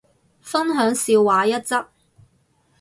分享笑話一則